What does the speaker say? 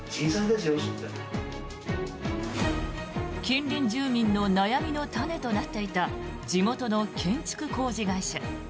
近隣住民の悩みの種となっていた地元の建築工事会社。